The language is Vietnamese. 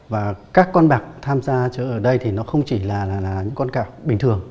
và các con bạc tham gia chơi ở đây thì nó không chỉ là những con cạo bình thường